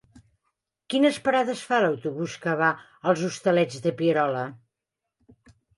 Quines parades fa l'autobús que va als Hostalets de Pierola?